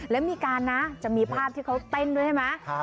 แล้วมีการนะจะมีภาพที่เขาเต้นด้วยใช่ไหม